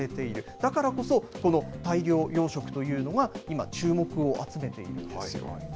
だからこそ、この大量養殖というのが今、注目を集めているんですよ。